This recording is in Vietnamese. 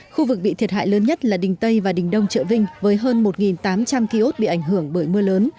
khu vực bị thiệt hại lớn nhất là đình tây và đình đông trợ vinh với hơn một tám trăm linh kiosk bị ảnh hưởng bởi mưa lớn